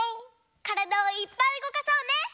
からだをいっぱいうごかそうね！